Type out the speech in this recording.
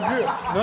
何？